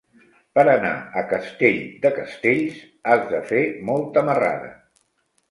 Per anar a Castell de Castells has de fer molta marrada.